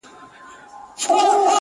دښمني به سره پاته وي کلونه!.